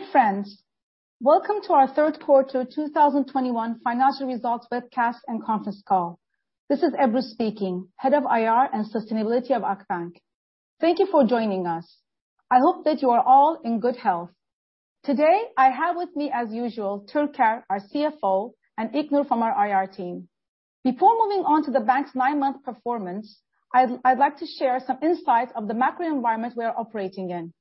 Dear friends, welcome to our third quarter 2021 financial results webcast and conference call. This is Ebru speaking, Head of IR and Sustainability of Akbank. Thank you for joining us. I hope that you are all in good health. Today, I have with me, as usual, Türker, our CFO, and İlknur from our IR team. Before moving on to the bank's nine-month performance, I'd like to share some insights of the macro environment we are operating in.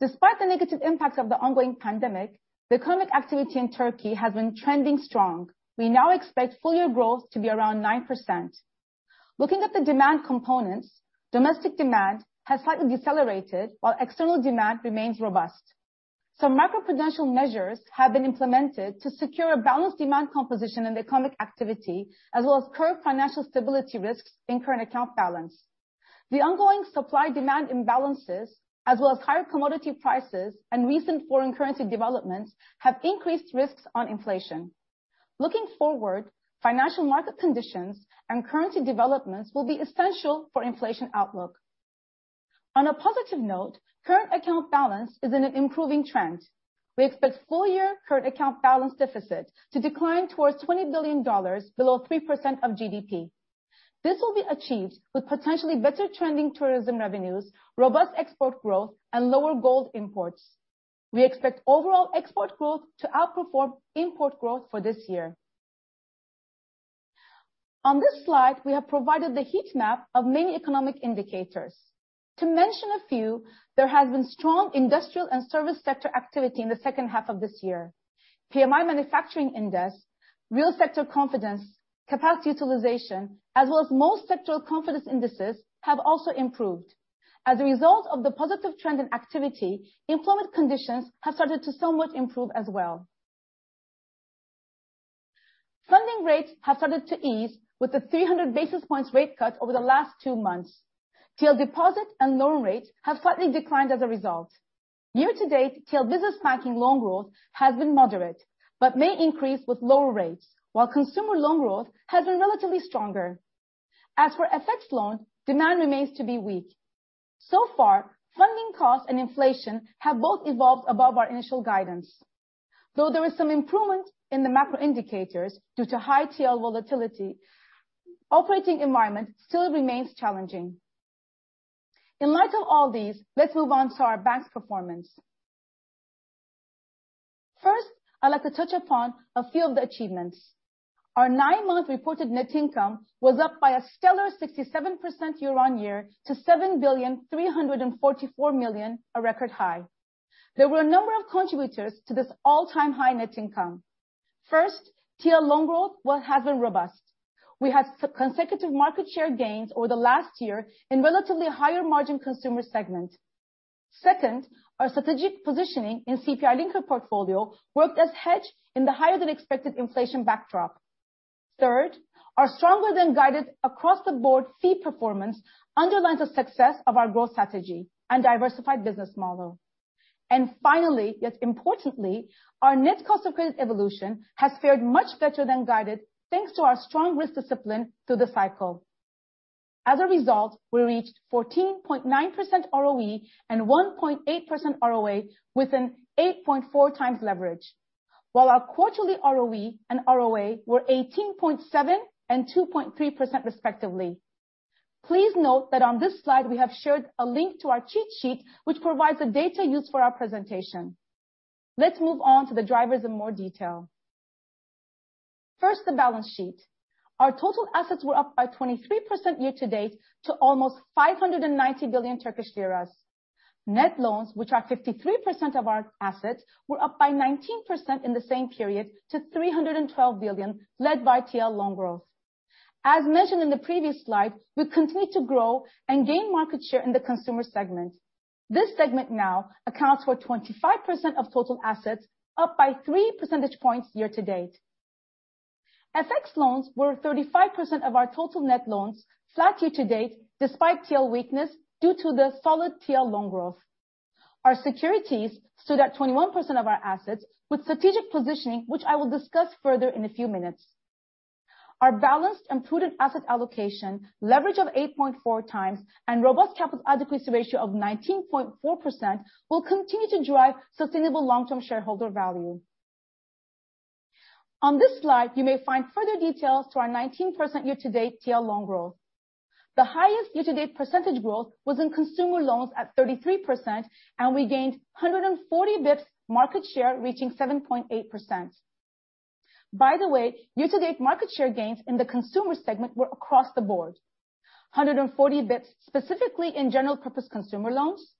Despite the negative impacts of the ongoing pandemic, the economic activity in Turkey has been trending strong. We now expect full year growth to be around 9%. Looking at the demand components, domestic demand has slightly decelerated while external demand remains robust. Some macro-prudential measures have been implemented to secure a balanced demand composition in the economic activity, as well as curb financial stability risks in current account balance. The ongoing supply-demand imbalances, as well as higher commodity prices and recent foreign currency developments, have increased risks on inflation. Looking forward, financial market conditions and currency developments will be essential for inflation outlook. On a positive note, current account balance is in an improving trend. We expect full year current account balance deficit to decline towards $20 billion below 3% of GDP. This will be achieved with potentially better trending tourism revenues, robust export growth, and lower gold imports. We expect overall export growth to outperform import growth for this year. On this slide, we have provided the heat map of many economic indicators. To mention a few, there has been strong industrial and service sector activity in the second half of this year. PMI manufacturing index, real sector confidence, capacity utilization, as well as most sectoral confidence indices have also improved. As a result of the positive trend and activity, employment conditions have started to somewhat improve as well. Funding rates have started to ease with the 300 basis points rate cut over the last two months. TL deposit and loan rates have slightly declined as a result. Year-to-date, TL business banking loan growth has been moderate, but may increase with lower rates, while consumer loan growth has been relatively stronger. As for FX loan, demand remains to be weak. So far, funding costs and inflation have both evolved above our initial guidance. Though there is some improvement in the macro indicators due to high TL volatility, operating environment still remains challenging. In light of all these, let's move on to our bank's performance. First, I'd like to touch upon a few of the achievements. Our nine-month reported net income was up by a stellar 67% year-on-year to 7,344,000,000, a record high. There were a number of contributors to this all-time high net income. First, TL loan growth has been robust. We had consecutive market share gains over the last year in relatively higher margin consumer segment. Second, our strategic positioning in CPI-linked portfolio worked as hedge in the higher than expected inflation backdrop. Third, our stronger than guided across-the-board fee performance underlines the success of our growth strategy and diversified business model. Finally, yet importantly, our net cost of credit evolution has fared much better than guided, thanks to our strong risk discipline through the cycle. As a result, we reached 14.9% ROE and 1.8% ROA with an 8.4x leverage. While our quarterly ROE and ROA were 18.7% and 2.3%, respectively. Please note that on this slide we have shared a link to our cheat sheet, which provides the data used for our presentation. Let's move on to the drivers in more detail. First, the balance sheet. Our total assets were up by 23% year-to-date to almost 590 billion Turkish lira. Net loans, which are 53% of our assets, were up by 19% in the same period to 312 billion led by TL loan growth. As mentioned in the previous slide, we continue to grow and gain market share in the consumer segment. This segment now accounts for 25% of total assets, up by three percentage points year-to-date. FX loans were 35% of our total net loans, flat year-to-date despite TL weakness due to the solid TL loan growth. Our securities stood at 21% of our assets with strategic positioning, which I will discuss further in a few minutes. Our balanced and prudent asset allocation, leverage of 8.4x, and robust capital adequacy ratio of 19.4% will continue to drive sustainable long-term shareholder value. On this slide, you may find further details to our 19% year-to-date TL loan growth. The highest year-to-date percentage growth was in consumer loans at 33%, and we gained 140 basis points market share, reaching 7.8%. By the way, year-to-date market share gains in the consumer segment were across the board. 140 bps specifically in general purpose consumer loans,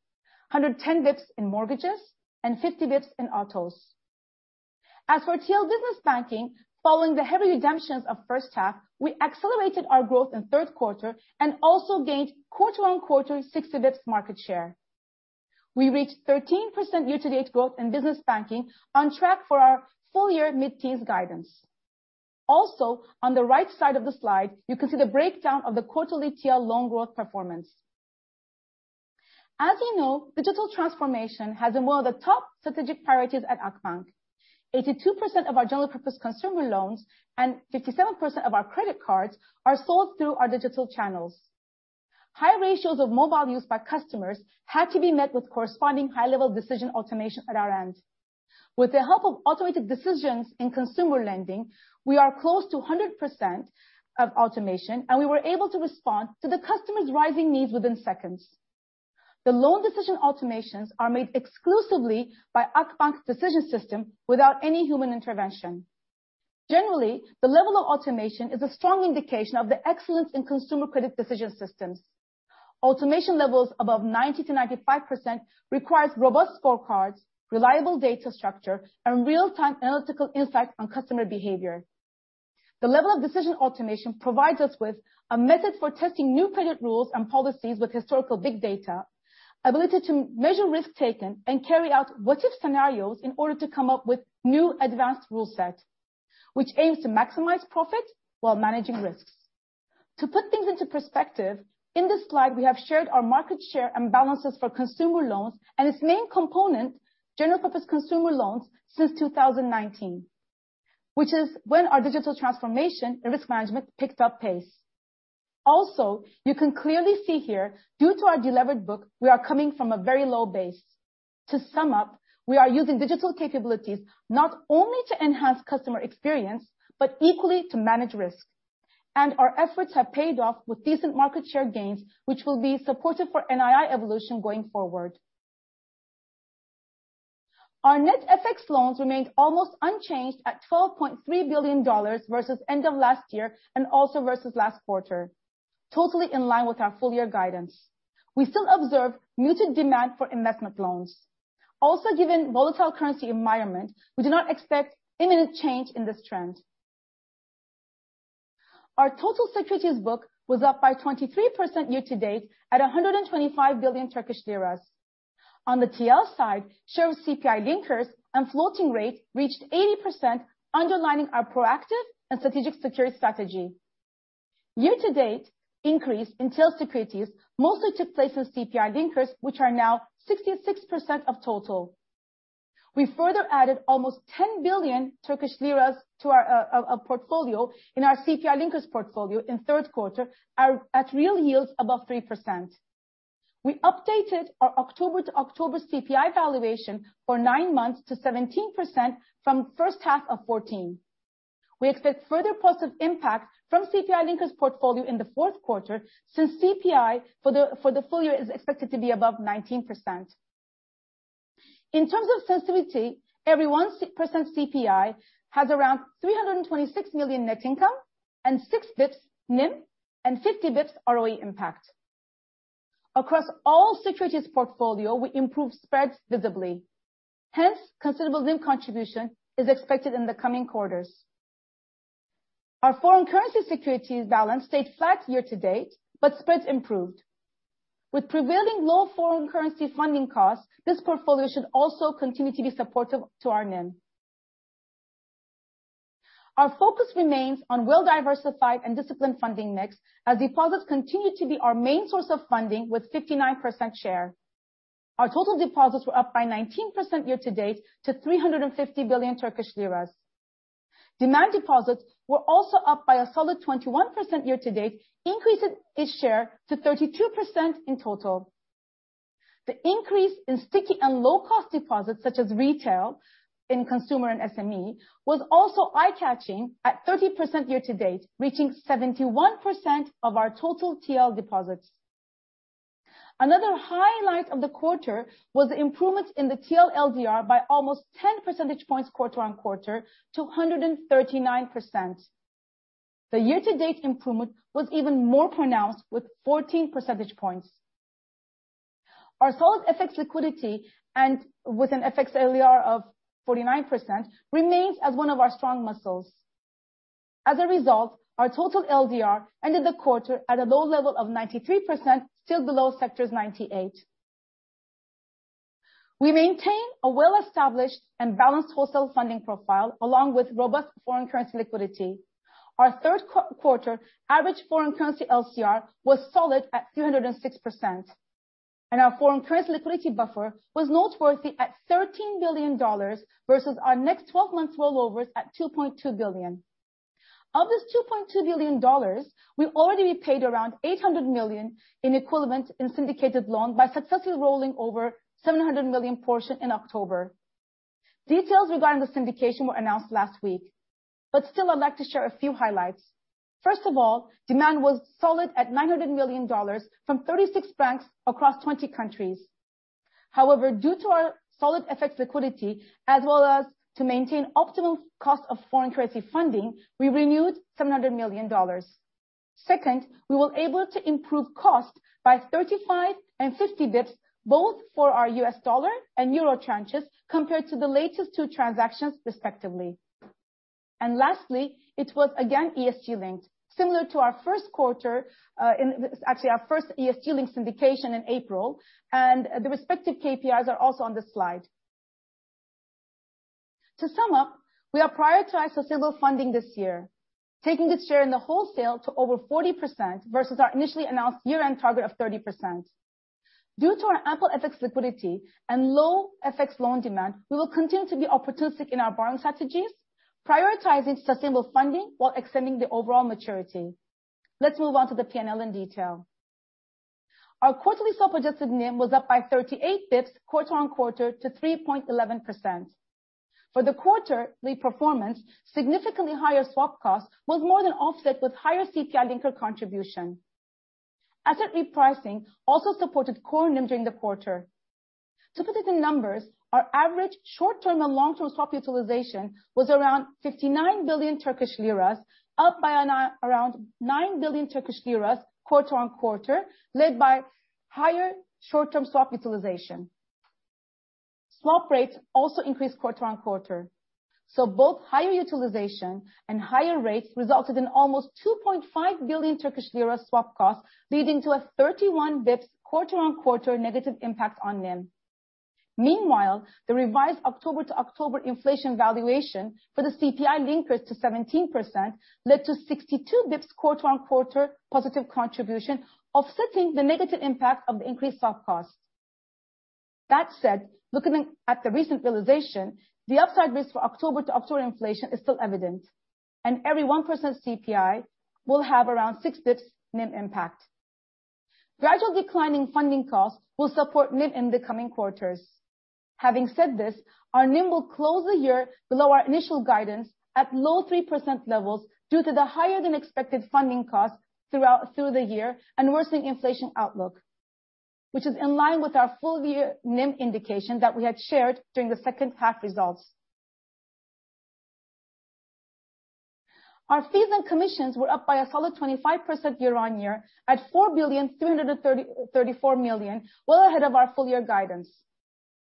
110 basis points in mortgages, and 50 bps in autos. As for TL business banking, following the heavy redemptions of first half, we accelerated our growth in third quarter and also gained quarter-on-quarter 60 bps market share. We reached 13% year-to-date growth in business banking on track for our full year mid-teens guidance. Also, on the right side of the slide, you can see the breakdown of the quarterly TL loan growth performance. As you know, digital transformation has been one of the top strategic priorities at Akbank. 82% of our general purpose consumer loans and 57% of our credit cards are sold through our digital channels. High ratios of mobile use by customers had to be met with corresponding high-level decision automation at our end. With the help of automated decisions in consumer lending, we are close to 100% automation, and we were able to respond to the customer's rising needs within seconds. The loan decision automations are made exclusively by Akbank's decision system without any human intervention. Generally, the level of automation is a strong indication of the excellence in consumer credit decision systems. Automation levels above 90%-95% requires robust scorecards, reliable data structure, and real-time analytical insight on customer behavior. The level of decision automation provides us with a method for testing new credit rules and policies with historical big data, ability to measure risk taken, and carry out what-if scenarios in order to come up with new advanced rule set, which aims to maximize profit while managing risks. To put things into perspective, in this slide, we have shared our market share and balances for consumer loans and its main component, general purpose consumer loans, since 2019, which is when our digital transformation and risk management picked up pace. Also, you can clearly see here, due to our delevered book, we are coming from a very low base. To sum up, we are using digital capabilities not only to enhance customer experience, but equally to manage risk. Our efforts have paid off with decent market share gains, which will be supportive for NII evolution going forward. Our net FX loans remained almost unchanged at $12.3 billion versus end of last year, and also versus last quarter, totally in line with our full year guidance. We still observe muted demand for investment loans. Given volatile currency environment, we do not expect imminent change in this trend. Our total securities book was up by 23% year to date at 125 billion Turkish lira. On the TL side, share of CPI linkers and floating rate reached 80%, underlining our proactive and strategic securities strategy. Year to date increase in TL securities mostly took place in CPI linkers, which are now 66% of total. We further added almost 10 billion Turkish lira to our portfolio in our CPI linkers portfolio in third quarter at real yields above 3%. We updated our October to October CPI valuation for nine months to 17% from first half of 14%. We expect further positive impact from CPI linkers portfolio in the fourth quarter since CPI for the full year is expected to be above 19%. In terms of sensitivity, every 1% CPI has around 326 million net income and 6 bps NIM and 50 bps ROE impact. Across all securities portfolio, we improved spreads visibly, hence considerable NIM contribution is expected in the coming quarters. Our foreign currency securities balance stayed flat year to date, but spreads improved. With prevailing low foreign currency funding costs, this portfolio should also continue to be supportive to our NIM. Our focus remains on well-diversified and disciplined funding mix as deposits continue to be our main source of funding with 59% share. Our total deposits were up by 19% year-to-date to 350 billion Turkish liras. Demand deposits were also up by a solid 21% year-to-date, increasing its share to 32% in total. The increase in sticky and low-cost deposits, such as retail in consumer and SME, was also eye-catching at 30% year-to-date, reaching 71% of our total TL deposits. Another highlight of the quarter was the improvement in the TL LDR by almost 10 percentage points quarter-on-quarter to 139%. The year-to-date improvement was even more pronounced with 14 percentage points. Our solid FX liquidity and with an FX LDR of 49% remains as one of our strong muscles. As a result, our total LDR ended the quarter at a low level of 93%, still below sector's 98%. We maintain a well-established and balanced wholesale funding profile along with robust foreign currency liquidity. Our third quarter average foreign currency LCR was solid at 306%. Our foreign currency liquidity buffer was noteworthy at $13 billion versus our next 12 months rollovers at $2.2 billion. Of this $2.2 billion, we already paid around $800 million in equivalent in syndicated loan by successfully rolling over $700 million portion in October. Details regarding the syndication were announced last week. Still I'd like to share a few highlights. First of all, demand was solid at $900 million from 36 banks across 20 countries. However, due to our solid FX liquidity as well as to maintain optimal cost of foreign currency funding, we renewed $700 million. Second, we were able to improve cost by 35 bps and 50 bps both for our U.S. dollar and euro tranches compared to the latest two transactions respectively. Lastly, it was again ESG linked. Similar to our first quarter, actually, our first ESG-linked syndication in April, and the respective KPIs are also on this slide. To sum up, we have prioritized sustainable funding this year, taking its share in the wholesale to over 40% versus our initially announced year-end target of 30%. Due to our ample FX liquidity and low FX loan demand, we will continue to be opportunistic in our borrowing strategies, prioritizing sustainable funding while extending the overall maturity. Let's move on to the P&L in detail. Our quarterly self-adjusted NIM was up by 38 basis points quarter-on-quarter to 3.11%. For the quarterly performance, significantly higher swap costs was more than offset with higher CPI linker contribution. Asset repricing also supported core NIM during the quarter. To put it in numbers, our average short-term and long-term swap utilization was around 59 billion Turkish lira, up by around 9 billion Turkish lira quarter-on-quarter, led by higher short-term swap utilization. Swap rates also increased quarter-on-quarter. Both higher utilization and higher rates resulted in almost 2.5 billion Turkish lira swap costs, leading to a 31 bps quarter-on-quarter negative impact on NIM. Meanwhile, the revised October to October inflation valuation for the CPI linkers to 17% led to 62 basis points quarter-on-quarter positive contribution, offsetting the negative impact of the increased swap costs. That said, looking at the recent realization, the upside risk for October to October inflation is still evident, and every 1% CPI will have around six basis points NIM impact. Gradual declining funding costs will support NIM in the coming quarters. Having said this, our NIM will close the year below our initial guidance at low 3% levels due to the higher than expected funding costs throughout the year and worsening inflation outlook. Which is in line with our full year NIM indication that we had shared during the second half results. Our fees and commissions were up by a solid 25% year-over-year at 4.334 billion, well ahead of our full year guidance.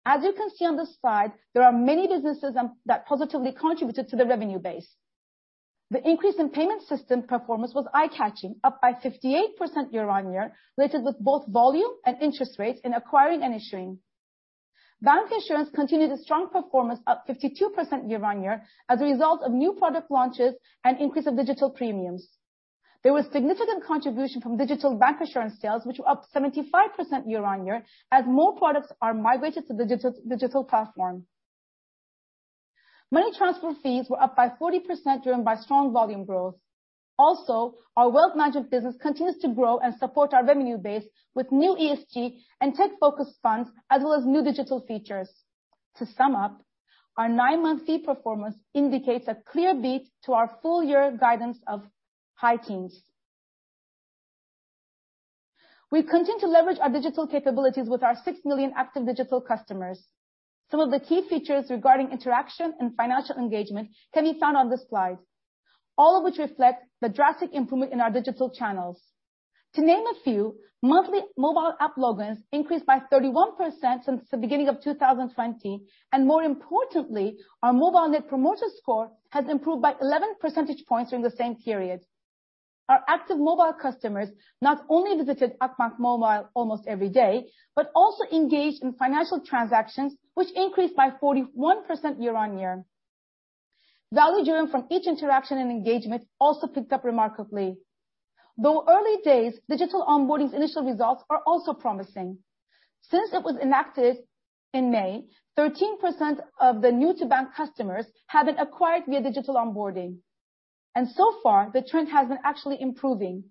As you can see on this slide, there are many businesses, that positively contributed to the revenue base. The increase in payment system performance was eye-catching, up by 58% year-over-year, related with both volume and interest rates in acquiring and issuing. Bank insurance continued a strong performance, up 52% year-over-year as a result of new product launches and increase of digital premiums. There was significant contribution from digital bank insurance sales, which were up 75% year-on-year as more products are migrated to digital platform. Money transfer fees were up by 40% driven by strong volume growth. Also, our wealth management business continues to grow and support our revenue base with new ESG and tech-focused funds as well as new digital features. To sum up, our nine-month fee performance indicates a clear beat to our full year guidance of high teens. We continue to leverage our digital capabilities with our six million active digital customers. Some of the key features regarding interaction and financial engagement can be found on this slide, all of which reflect the drastic improvement in our digital channels. To name a few, monthly mobile app logins increased by 31% since the beginning of 2020. More importantly, our mobile net promoter score has improved by 11 percentage points during the same period. Our active mobile customers not only visited Akbank Mobile almost every day, but also engaged in financial transactions, which increased by 41% year-on-year. Value driven from each interaction and engagement also picked up remarkably. Though early days, digital onboarding's initial results are also promising. Since it was enacted in May, 13% of the new-to-bank customers have been acquired via digital onboarding. So far the trend has been actually improving.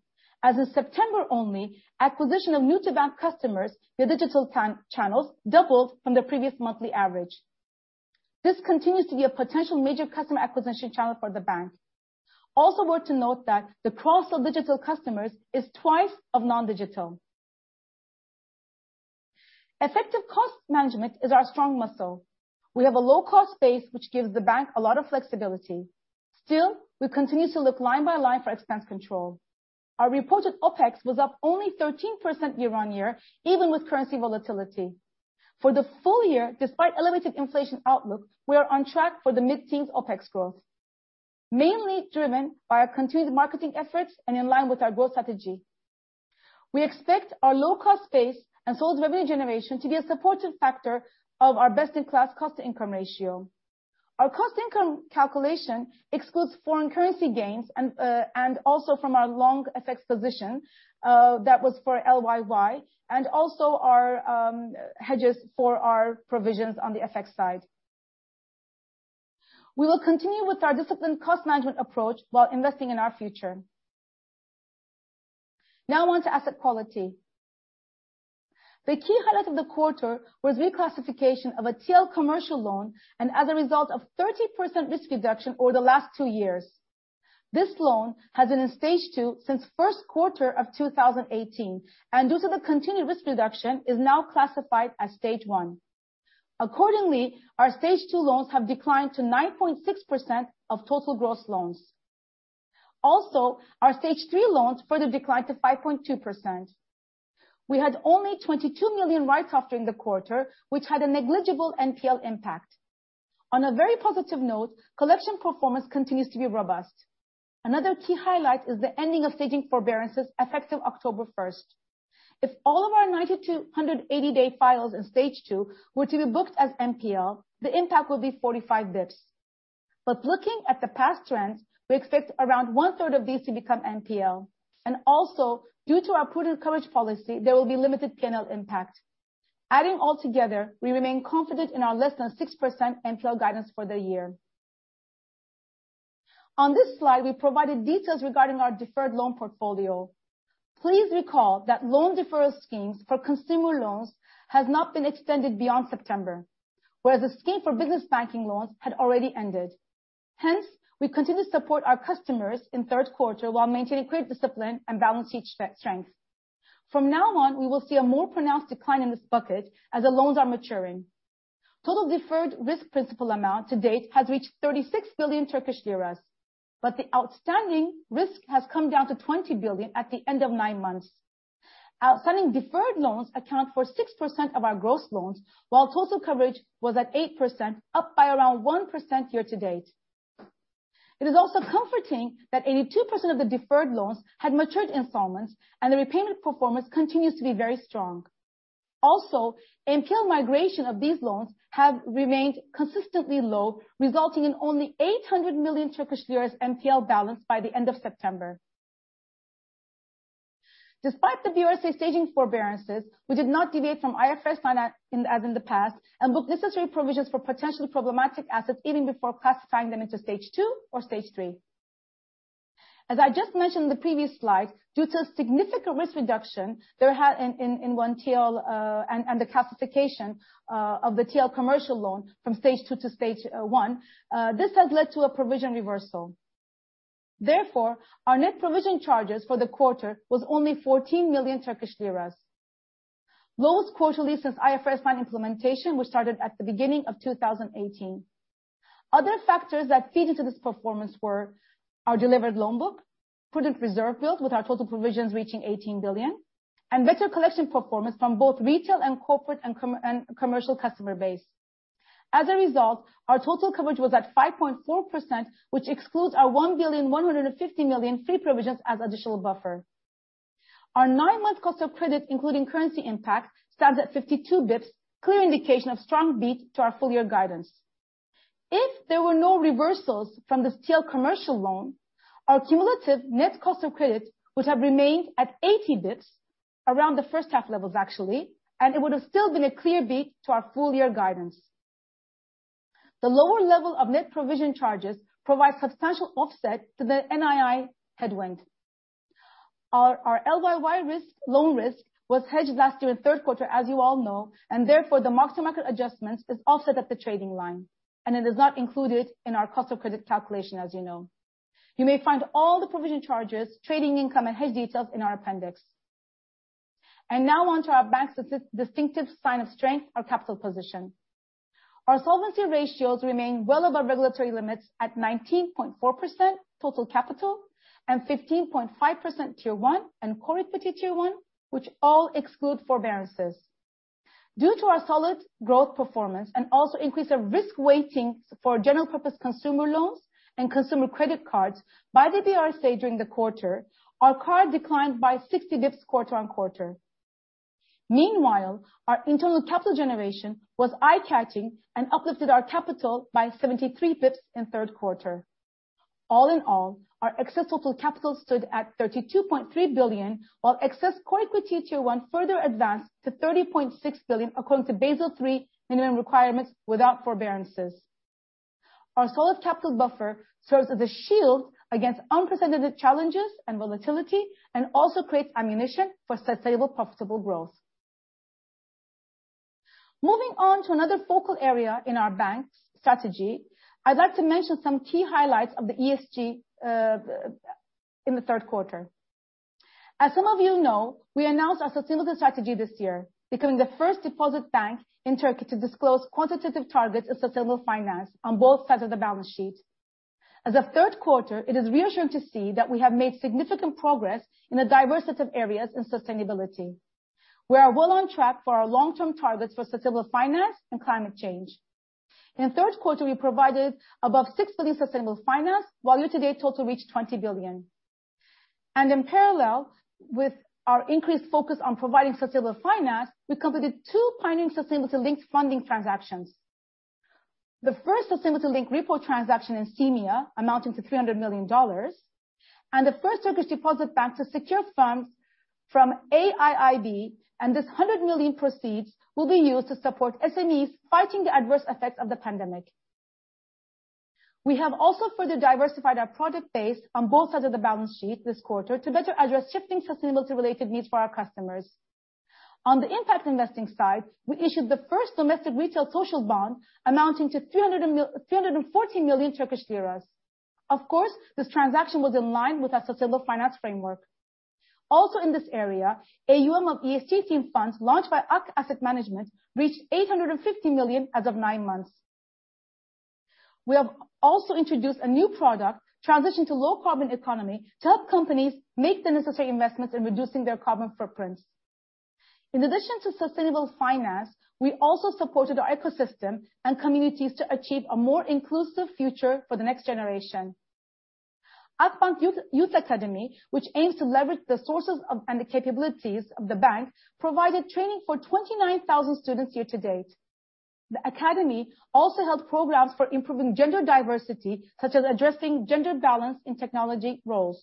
As of September only, acquisition of new-to-bank customers via digital channels doubled from the previous monthly average. This continues to be a potential major customer acquisition channel for the bank. Also worth to note that the cross-sell digital customers is twice of non-digital. Effective cost management is our strong muscle. We have a low cost base which gives the bank a lot of flexibility. Still, we continue to look line by line for expense control. Our reported OpEx was up only 13% year-on-year, even with currency volatility. For the full year, despite elevated inflation outlook, we are on track for the mid-teens OpEx growth, mainly driven by our continued marketing efforts and in line with our growth strategy. We expect our low-cost base and solid revenue generation to be a supportive factor of our best-in-class cost-to-income ratio. Our cost-income calculation excludes foreign currency gains and also from our long FX position, that was for LYY and also our hedges for our provisions on the FX side. We will continue with our disciplined cost management approach while investing in our future. Now on to asset quality. The key highlight of the quarter was reclassification of a TL commercial loan and as a result of 30% risk reduction over the last two years. This loan has been in Stage 2 since first quarter of 2018, and due to the continued risk reduction, is now classified as Stage 1. Accordingly, our Stage 2 loans have declined to 9.6% of total gross loans. Also, our stage three loans further declined to 5.2%. We had only 22 million write-off during the quarter, which had a negligible NPL impact. On a very positive note, collection performance continues to be robust. Another key highlight is the ending of staging forbearances effective October 1. If all of our 90-280-day files in Stage 2 were to be booked as NPL, the impact will be 45 bps. Looking at the past trends, we expect around 1/3 of these to become NPL. Also, due to our prudent coverage policy, there will be limited P&L impact. Adding all together, we remain confident in our less than 6% NPL guidance for the year. On this slide, we provided details regarding our deferred loan portfolio. Please recall that loan deferral schemes for consumer loans has not been extended beyond September, whereas the scheme for business banking loans had already ended. Hence, we continue to support our customers in third quarter while maintaining credit discipline and balance sheet strength. From now on, we will see a more pronounced decline in this bucket as the loans are maturing. Total deferred risk principal amount to date has reached 36 billion Turkish lira, but the outstanding risk has come down to 20 billion at the end of nine months. Outstanding deferred loans account for 6% of our gross loans, while total coverage was at 8%, up by around 1% year-to-date. It is also comforting that 82% of the deferred loans had matured installments, and the repayment performance continues to be very strong. Also, NPL migration of these loans have remained consistently low, resulting in only 800 million NPL balance by the end of September. Despite the BRSA staging forbearances, we did not deviate from IFRS finance, as in the past, and booked necessary provisions for potentially problematic assets even before classifying them into Stage 2 or Stage 3. As I just mentioned in the previous slide, due to significant risk reduction and the classification of the TL commercial loan from stage two to stage one, this has led to a provision reversal. Therefore, our net provision charges for the quarter was only 14 million Turkish lira, lowest quarterly since IFRS 9 implementation, which started at the beginning of 2018. Other factors that feed into this performance were our delevered loan book, prudent reserve build, with our total provisions reaching 18 billion, and better collection performance from both retail and corporate and commercial customer base. As a result, our total coverage was at 5.4%, which excludes our 1.15 billion fee provisions as additional buffer. Our nine-month cost of credit, including currency impact, stands at 52 bps, clear indication of strong beat to our full year guidance. If there were no reversals from the TL commercial loan, our cumulative net cost of credit would have remained at 80 bps around the first half levels, actually, and it would have still been a clear beat to our full year guidance. The lower level of net provision charges provides substantial offset to the NII headwind. Our LYY risk, loan risk was hedged last year in third quarter, as you all know, and therefore the mark-to-market adjustments is offset at the trading line, and it is not included in our cost of credit calculation, as you know. You may find all the provision charges, trading income and hedge details in our appendix. Now on to our bank's distinctive sign of strength, our capital position. Our solvency ratios remain well above regulatory limits at 19.4% total capital and 15.5% Tier 1 and Core Equity Tier 1, which all exclude forbearances. Due to our solid growth performance and also increase of risk weighting for general purpose consumer loans and consumer credit cards by the BRSA during the quarter, our CAR declined by 60 basis points quarter-on-quarter. Meanwhile, our internal capital generation was eye-catching and uplifted our capital by 73 basis points in third quarter. All in all, our excess total capital stood at 32.3 billion, while excess Core Equity Tier 1 further advanced to 30.6 billion, according to Basel III minimum requirements without forbearances. Our solid capital buffer serves as a shield against unprecedented challenges and volatility and also creates ammunition for sustainable profitable growth. Moving on to another focal area in our bank's strategy, I'd like to mention some key highlights of the ESG in the third quarter. As some of you know, we announced our sustainability strategy this year, becoming the first deposit bank in Turkey to disclose quantitative targets of sustainable finance on both sides of the balance sheet. As of third quarter, it is reassuring to see that we have made significant progress in a diversity of areas in sustainability. We are well on track for our long-term targets for sustainable finance and climate change. In the third quarter, we provided above 6 billion sustainable finance, while year-to-date total reached 20 billion. In parallel with our increased focus on providing sustainable finance, we completed two pioneering sustainability-linked funding transactions. The first sustainability-linked repo transaction in CEEMEA amounting to $300 million, and the first Turkish deposit bank to secure funds from AIIB, and $100 million proceeds will be used to support SMEs fighting the adverse effects of the pandemic. We have also further diversified our product base on both sides of the balance sheet this quarter to better address shifting sustainability-related needs for our customers. On the impact investing side, we issued the first domestic retail social bond amounting to 340 million Turkish lira. Of course, this transaction was in line with our sustainable finance framework. Also in this area, AUM of ESG theme funds launched by Ak Asset Management reached 850 million as of nine months. We have also introduced a new product transition to low carbon economy to help companies make the necessary investments in reducing their carbon footprints. In addition to sustainable finance, we also supported our ecosystem and communities to achieve a more inclusive future for the next generation. Akbank Youth Academy, which aims to leverage the sources of, and the capabilities of the bank, provided training for 29,000 students year-to-date. The academy also held programs for improving gender diversity, such as addressing gender balance in technology roles.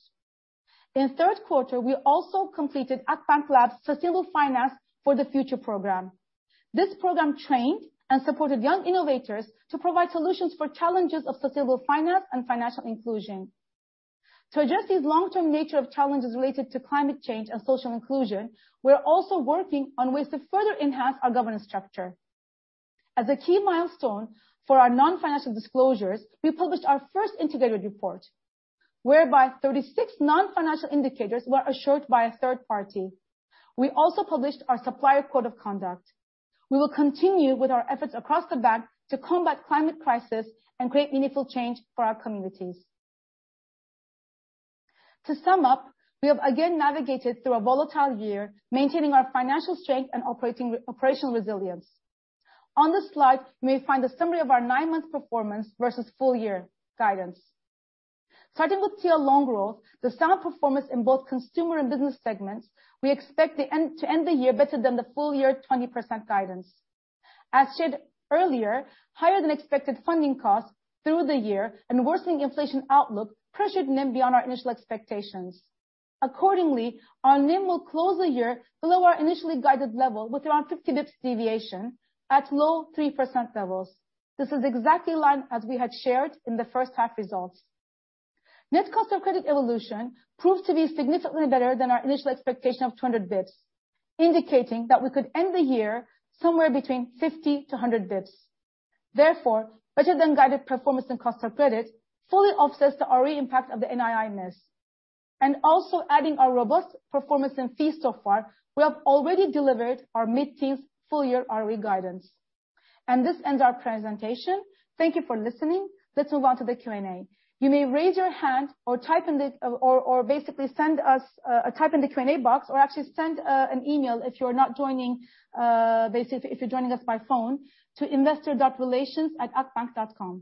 In the third quarter, we also completed Akbank LAB's Sustainable Finance for the Future program. This program trained and supported young innovators to provide solutions for challenges of sustainable finance and financial inclusion. To address these long-term nature of challenges related to climate change and social inclusion, we're also working on ways to further enhance our governance structure. As a key milestone for our non-financial disclosures, we published our first integrated report, whereby 36 non-financial indicators were assured by a third party. We also published our supplier code of conduct. We will continue with our efforts across the bank to combat climate crisis and create meaningful change for our communities. To sum up, we have again navigated through a volatile year, maintaining our financial strength and operational resilience. On this slide, you may find a summary of our nine-month performance versus full year guidance. Starting with TL loan growth, the sound performance in both consumer and business segments, we expect to end the year better than the full year 20% guidance. As shared earlier, higher than expected funding costs through the year and worsening inflation outlook pressured NIM beyond our initial expectations. Accordingly, our NIM will close the year below our initially guided level with around 50 bps deviation at low 3% levels. This is exactly in line as we had shared in the first half results. Net cost of credit evolution proves to be significantly better than our initial expectation of 200 bps, indicating that we could end the year somewhere between 50 to 100 bps. Therefore, better than guided performance and cost of credit fully offsets the RE impact of the NII miss. Also adding our robust performance and fees so far, we have already delivered our mid-teens full year RE guidance. This ends our presentation. Thank you for listening. Let's move on to the Q&A. You may raise your hand or type in the Basically send us type in the Q&A box or actually send an email if you're not joining, basically if you're joining us by phone, to investor.relations@akbank.com. İlknur,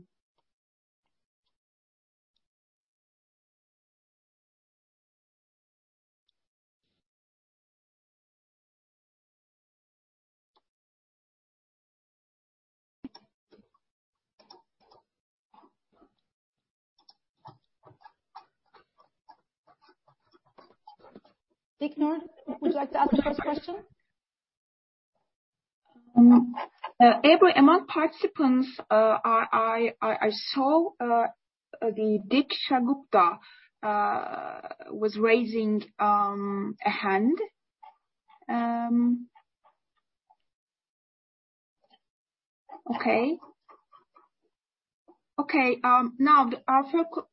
would you like to ask the first question? Ebru, among participants, I saw the Deeksha Gupta was raising a hand. Okay. Now our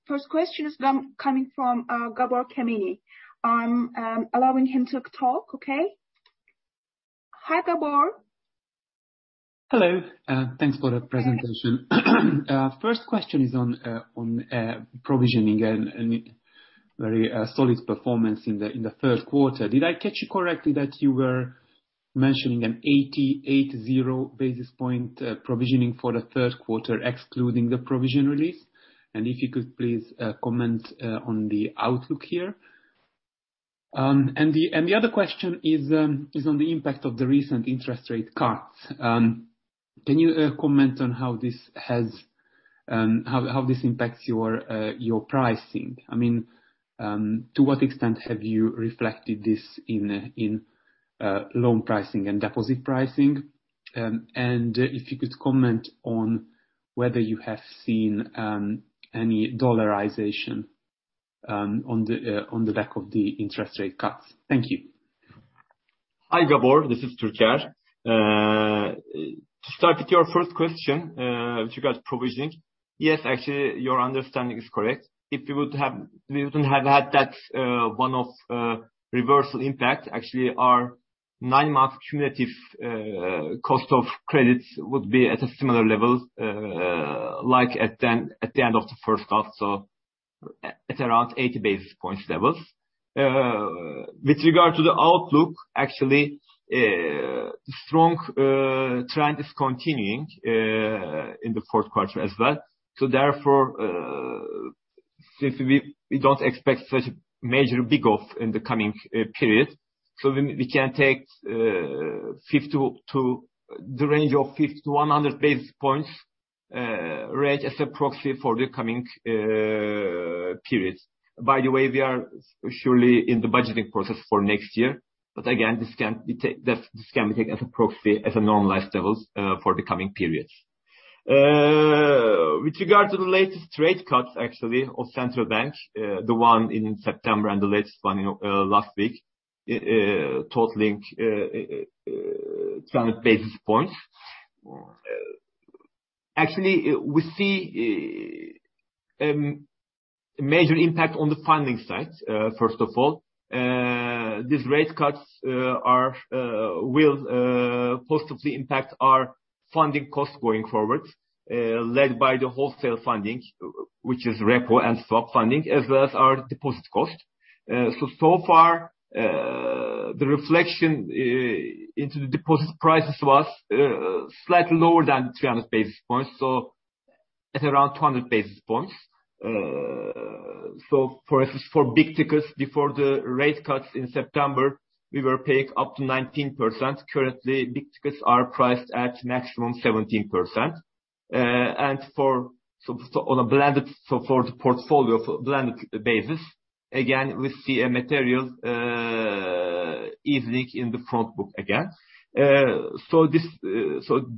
first question is coming from Gabor Kemeny. I'm allowing him to talk, okay? Hi, Gabor. Hello. Thanks for the presentation. First question is on provisioning and very solid performance in the first quarter. Did I catch you correctly that you were mentioning an 880 basis point provisioning for the third quarter, excluding the provision release? If you could please comment on the outlook here. The other question is on the impact of the recent interest rate cuts. Can you comment on how this impacts your pricing? I mean, to what extent have you reflected this in loan pricing and deposit pricing? If you could comment on whether you have seen any dollarization on the back of the interest rate cuts. Thank you. Hi, Gabor, this is Türker. To start with your first question, with regards to provisioning. Yes, actually, your understanding is correct. If we would have, we wouldn't have had that one-off reversal impact, actually, our nine-month cumulative cost of credits would be at a similar level, like at then, at the end of the first half, so at around 80 basis points levels. With regard to the outlook, actually, strong trend is continuing in the fourth quarter as well. Therefore, since we don't expect such a major big off in the coming period, so we can take 50 bps to the range of 50 basic points-100 basis points rate as a proxy for the coming periods. By the way, we are surely in the budgeting process for next year, but again, this can be taken as a proxy, as normalized levels, for the coming periods. With regard to the latest rate cuts, actually, of the central bank, the one in September and the latest one last week, totaling seven basis points. Actually we see a major impact on the funding side, first of all. These rate cuts will positively impact our funding costs going forward, led by the wholesale funding, which is repo and swap funding, as well as our deposit cost. So far, The reflection into the deposit prices was slightly lower than 300 basis points, so at around 200 basis points. For instance, for big tickets before the rate cuts in September, we were paying up to 19%. Currently, big tickets are priced at maximum 17%. On a blended basis, for the portfolio on blended basis, we see a material easing in the front book.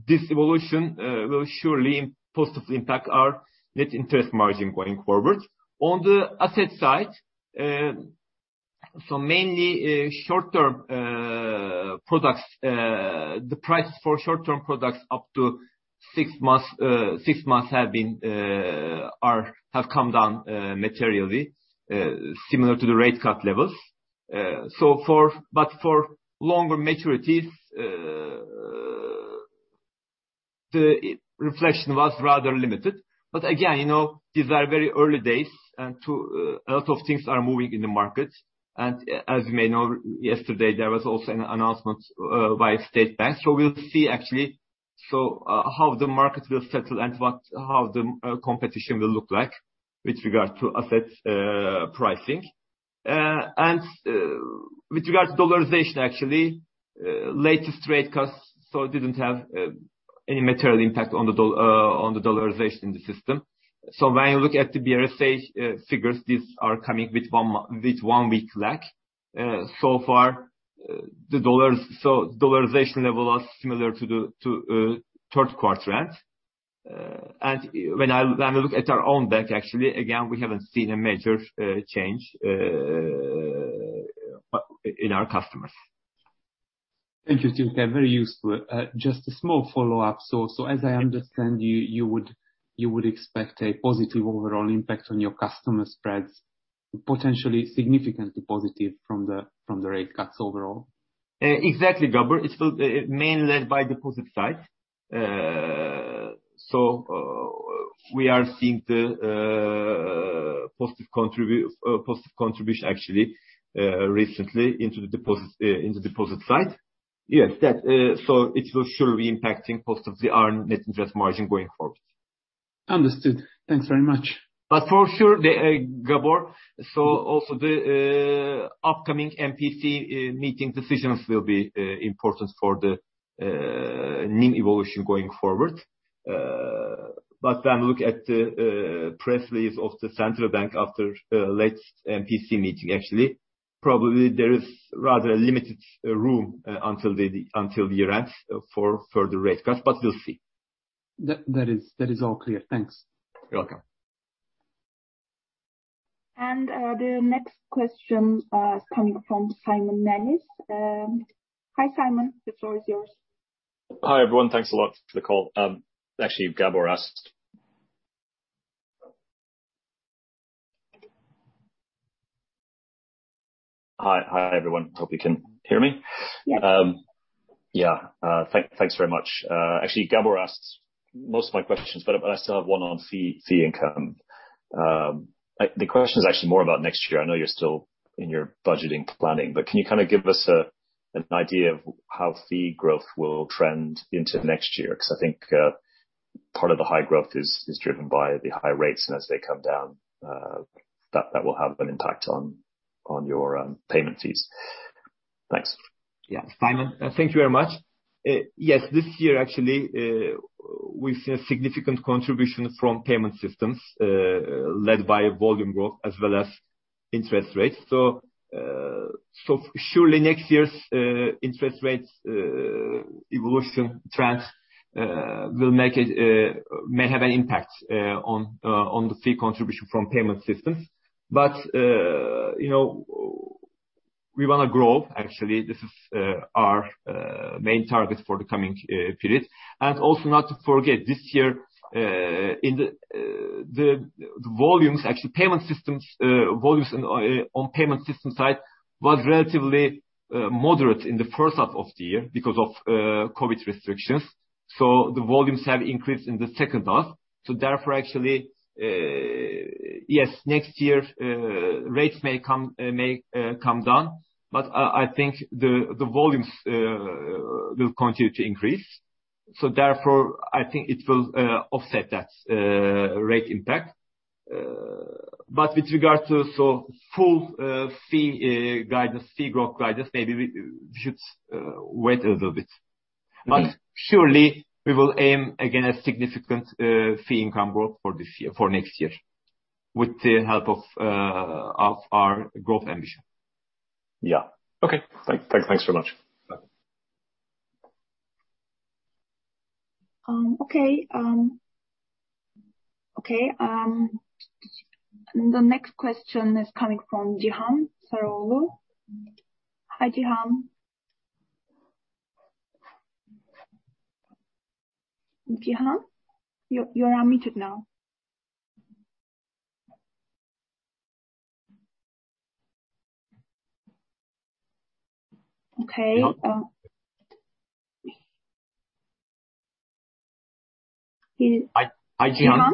This evolution will surely positively impact our net interest margin going forward. On the asset side, mainly short-term products. The price for short-term products up to six months have come down materially, similar to the rate cut levels. For longer maturities, the reflection was rather limited. Again, you know, these are very early days and too, a lot of things are moving in the market. As you may know, yesterday there was also an announcement by state banks. We'll see actually, how the market will settle and what, how the competition will look like with regards to asset pricing. With regards to dollarization, actually, latest rate cuts, it didn't have any material impact on the dollarization in the system. When you look at the BRSA figures, these are coming with one week lag. So far, the dollarization level was similar to the third quarter end. When I look at our own bank, actually, again, we haven't seen a major change, but in our customers. Thank you, Türker. Very useful. Just a small follow-up. As I understand, you would expect a positive overall impact on your customer spreads, potentially significantly positive from the rate cuts overall? Exactly, Gabor. It's still mainly led by deposit side. We are seeing the positive contribution actually recently into deposit side. Yes, that will surely be impacting positively our net interest margin going forward. Understood. Thanks very much. For sure, Gabor, so also the upcoming MPC meeting decisions will be important for the NIM evolution going forward. When you look at the press release of the central bank after latest MPC meeting actually, probably there is rather a limited room until year-end for further rate cuts, but we'll see. That is all clear. Thanks. You're welcome. The next question is coming from Simon Nellis. Hi, Simon, the floor is yours. Hi, everyone. Thanks a lot for the call. Hi everyone. Hope you can hear me. Yes. Yeah. Thanks very much. Actually, Gabor asked most of my questions, but I still have one on fee income. The question is actually more about next year. I know you're still in your budgeting and planning, but can you kind of give us an idea of how fee growth will trend into next year? Because I think part of the high growth is driven by the high rates, and as they come down, that will have an impact on your payment fees. Thanks. Yeah. Simon, thank you very much. Yes, this year actually, we've seen a significant contribution from payment systems, led by volume growth as well as interest rates. Surely next year's interest rates evolution trends may have an impact on the fee contribution from payment systems. You know, we wanna grow. Actually, this is our main target for the coming period. Also, not to forget, this year in the volumes actually payment systems volumes on payment system side was relatively moderate in the first half of the year because of COVID restrictions. The volumes have increased in the second half. Therefore, actually, yes, next year rates may come down, but I think the volumes will continue to increase. Therefore, I think it will offset that rate impact. But with regard to overall fee growth guidance, maybe we should wait a little bit. Okay. Surely we will aim again a significant fee income growth for this year, for next year with the help of our growth ambition. Yeah. Okay. Thanks very much. Bye. Okay. The next question is coming from Cihan Saroglu. Hi, Cihan. Cihan? You're unmuted now. Okay. Hi, Cihan Cihan?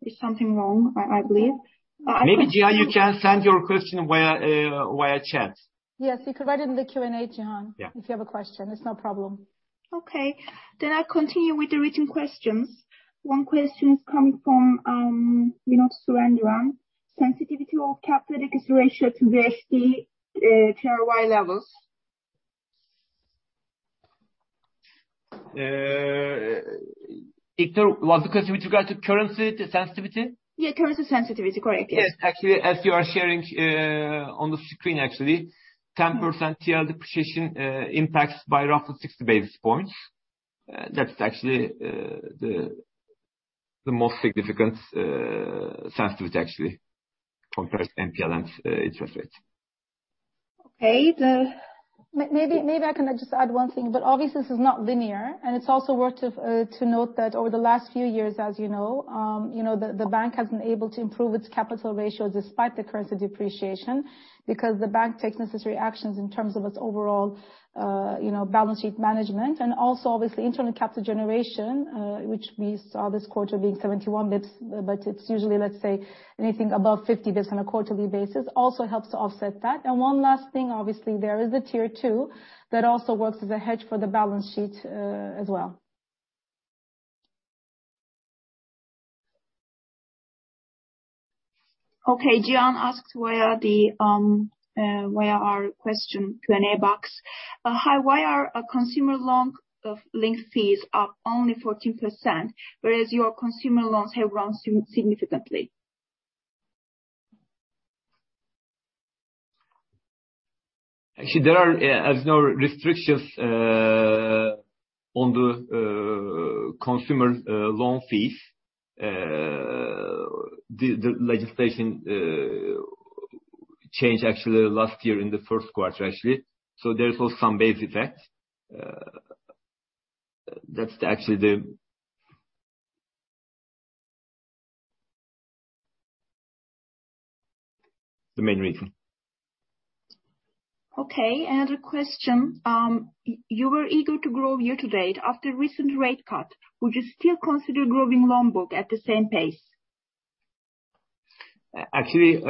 There's something wrong, I believe. Maybe Cihan, you can send your question via chat. Yes, you can write it in the Q&A, Cihan. Yeah. If you have a question, it's no problem. Okay. I'll continue with the written questions. One question is coming from, you know, Suran Juran. Sensitivity of capital increase ratio to the HD, TY levels. İlknur, was the question with regard to currency sensitivity? Yeah, currency sensitivity. Correct, yes. Yes. Actually, as you are sharing on the screen actually, 10% TRY depreciation impacts by roughly 60 basis points. That's actually the most significant sensitivity actually compared to NPL and interest rates. Okay. Maybe I can just add one thing. Obviously this is not linear, and it's also worth noting that over the last few years, as you know, the bank has been able to improve its capital ratios despite the currency depreciation, because the bank takes necessary actions in terms of its overall balance sheet management. Also, obviously, internal capital generation, which we saw this quarter being 71 basis points, but it's usually, let's say, anything above 50 basis points on a quarterly basis, also helps to offset that. One last thing, obviously there is a Tier 2 that also works as a hedge for the balance sheet, as well. Okay. Cihan asked via our question Q&A box. Hi, why are consumer loan link fees up only 14%, whereas your consumer loans have grown significantly? Actually, there are, as you know, restrictions on the consumer loan fees. The legislation changed actually last year in the first quarter, actually. There's also some base effects. That's actually the main reason. Okay. The question, you were eager to grow year-to-date. After recent rate cut, would you still consider growing loan book at the same pace? Actually,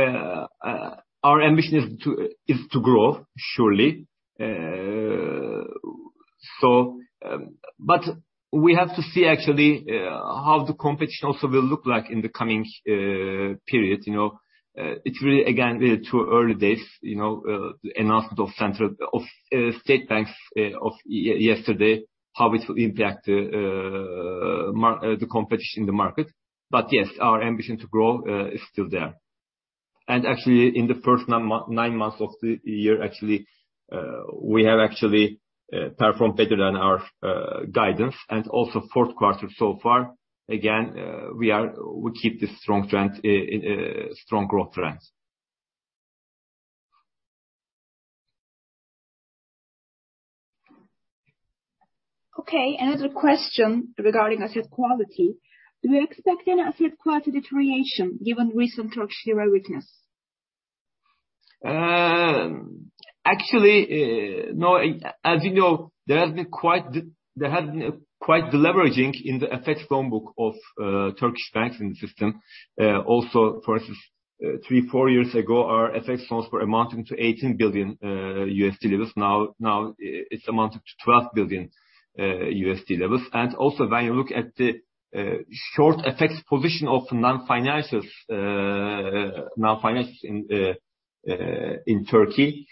our ambition is to grow, surely. We have to see actually how the competition also will look like in the coming period, you know. It's really too early days, you know, the announcement of central state banks of yesterday, how it will impact the competition in the market. Yes, our ambition to grow is still there. Actually, in the first nine months of the year, actually, we have actually performed better than our guidance. Also fourth quarter so far, again, we keep the strong trend in strong growth trends. Okay. Another question regarding asset quality. Do you expect any asset quality deterioration given recent Turkish lira weakness? Actually, no. As you know, there has been quite deleveraging in the FX loan book of Turkish banks in the system. Also versus three to four years ago, our FX loans were amounting to $18 billion levels. Now it's amounted to $12 billion levels. Also when you look at the short FX position of non-financials in Turkey,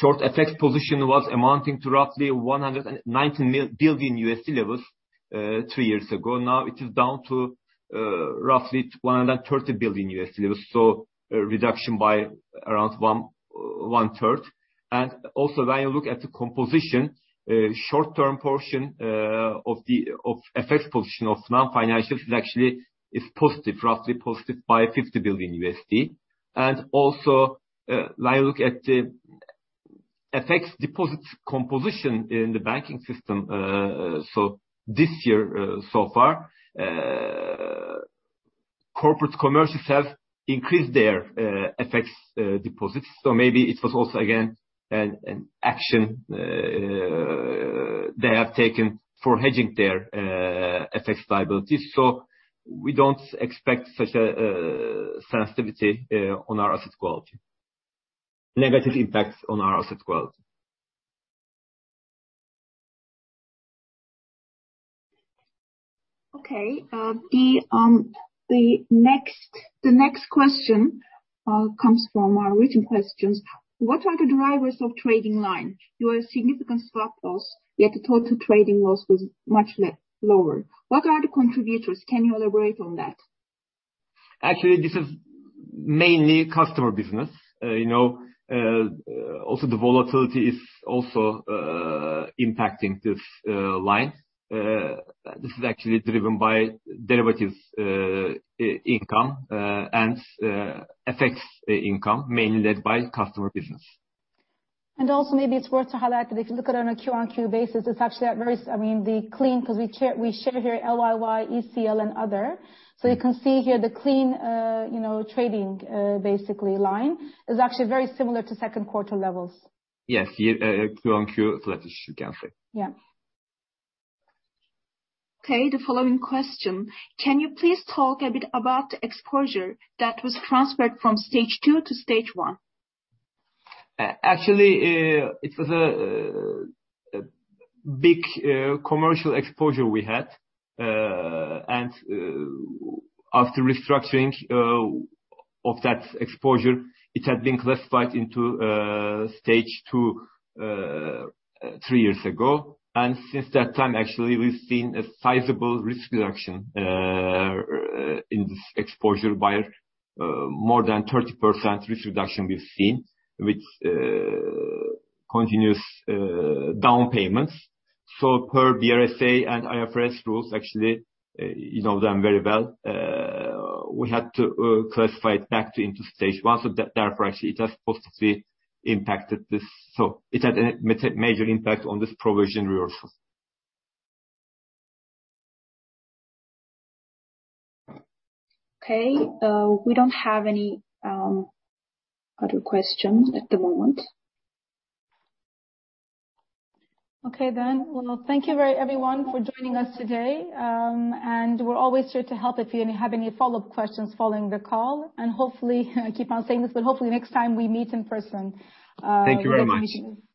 short FX position was amounting to roughly $190 billion levels three years ago. Now it is down to roughly $130 billion levels. A reduction by around 1/3. Also when you look at the composition, short-term portion of the FX position of non-financials is actually positive, roughly positive by $50 billion. Also, when you look at the FX deposits composition in the banking system, so this year, so far, corporate commercials have increased their FX deposits. Maybe it was also again an action they have taken for hedging their FX liabilities. We don't expect such a sensitivity on our asset quality, a negative impact on our asset quality. Okay. The next question comes from our written questions. What are the drivers of trading line? You have significant swap loss, yet the total trading loss was much lower. What are the contributors? Can you elaborate on that? Actually, this is mainly customer business. You know, also the volatility is also impacting this line. This is actually driven by derivatives, interest income, and FX income, mainly led by customer business. Also maybe it's worth to highlight that if you look at it on a Q-on-Q basis, it's actually at very, I mean, the clean, because we share here LYY, ECL and other. You can see here the clean, you know, trading, basically line is actually very similar to second quarter levels. Yes. Q-on-Q flattish you can say. Yeah. Okay. The following question. Can you please talk a bit about the exposure that was transferred from Stage 2 to Stage 1? Actually, it was a big commercial exposure we had. After restructuring of that exposure, it had been classified into Stage 2 three years ago. Since that time, actually, we've seen a sizable risk reduction in this exposure by more than 30% risk reduction we've seen, which continues down payments. Per BRSA and IFRS rules, actually, you know them very well, we had to classify it back to into stage one. Therefore, actually, it has positively impacted this. It had a major impact on this provision reversal. Okay. We don't have any other questions at the moment. Okay, then. Well, thank you, everyone for joining us today. We're always here to help if you have any follow-up questions following the call. Hopefully, I keep on saying this, but hopefully next time we meet in person. Thank you very much.